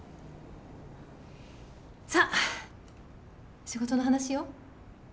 さっ仕事の話よ。